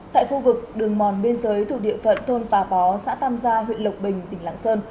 tại khu vực đường mòn biên giới thuộc địa phận thôn tà bó xã tam gia huyện lộc bình tỉnh lạng sơn